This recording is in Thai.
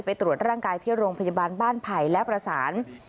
ไปตรวจร่างกายที่โรงพยาบาลบ้านไผ่และประสาน